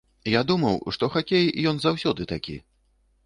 Я думаў, што хакей ён заўсёды такі.